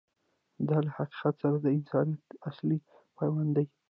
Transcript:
دا له حقیقت سره د انسانیت اصیل پیوند دی.